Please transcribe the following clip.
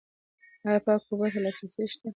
آیا پاکو اوبو ته لاسرسی شته؟